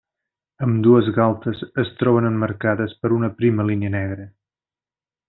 Ambdues galtes es troben emmarcades per una prima línia negra.